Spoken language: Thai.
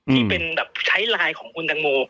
ที่เป็นแบบใช้ไลน์ของคุณตังโม